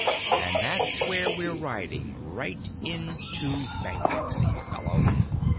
And that's what we're riding, right into bankruptcy, fellow.